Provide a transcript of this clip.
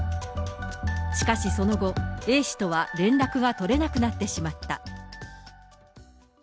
しかしその後、Ａ氏とは連絡が取れなくなってしまった。